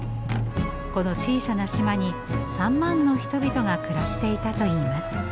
この小さな島に３万の人々が暮らしていたといいます。